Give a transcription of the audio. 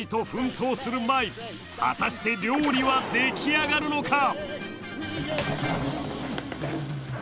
果たして料理は出来上がるのか？